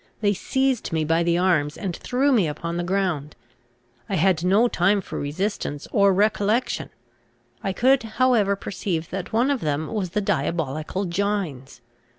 They seized me by the arms, and threw me upon the ground. I had no time for resistance or recollection. I could however perceive that one of them was the diabolical Gines.